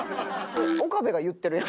岡部が言ってるやん。